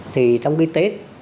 thì trong cái tết